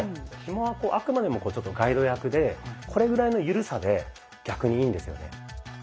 ひもはあくまでもちょっとガイド役でこれぐらいのゆるさで逆にいいんですよね。